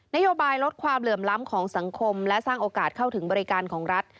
โยบายลดความเหลื่อมล้ำของสังคมและสร้างโอกาสเข้าถึงบริการของรัฐ